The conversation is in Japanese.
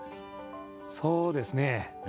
そうですね。